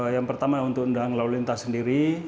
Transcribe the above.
yang pertama untuk undang lalu lintas sendiri